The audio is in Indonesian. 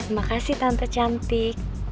makasih tante cantik